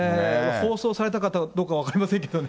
放送されたかどうか、分かりませんけどね。